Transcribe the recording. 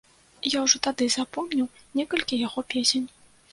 Я ўжо тады запомніў некалькі яго песень.